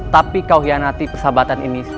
tapi kau hianati persahabatan ini